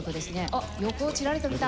あっ横をチラリと見た。